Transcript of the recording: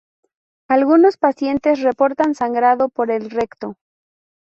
Algunos pacientes reportan sangrado por el recto.